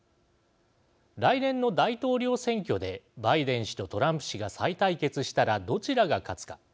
来年の大統領選挙でバイデン氏とトランプ氏が再対決したらどちらが勝つか。